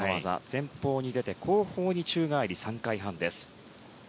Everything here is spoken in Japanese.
前方に出て後方に宙返り３回半。